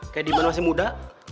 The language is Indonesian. kayak diman masih muda